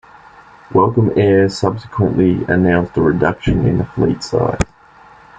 Welcome Air subsequently announced a reduction in the fleet size.